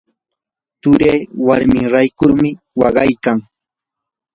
turii warmin raykun waqaykan.